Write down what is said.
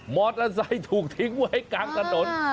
มอเตอร์ไซค์ถูกทิ้งไว้กลางถนน